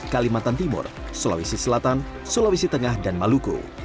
kalimantan timur sulawesi selatan sulawesi tengah dan maluku